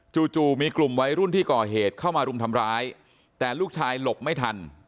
จู่มีกลุ่มวัยรุ่นที่ก่อเหตุเข้ามารุมทำร้ายแต่ลูกชายหลบไม่ทัน